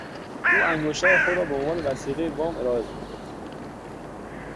او انگشتر خود را به عنوان وثیقهی وام ارائه داد.